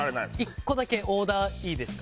１個だけオーダーいいですか？